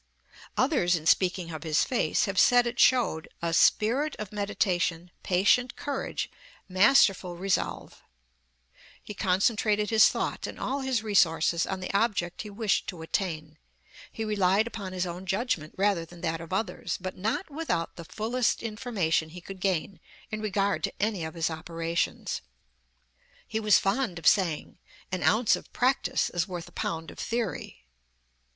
Others, in speaking of his face, have said it showed, "a spirit of meditation, patient courage, masterful resolve." He concentrated his thought, and all his 306 Gathering the Threads resources on the object he wished to attain. He relied upon his own judgment rather than that of others, but not without the fullest information he could gain in regard to any of his operations. He was fond of saying: "An ounce of practice is worth a pound of theory."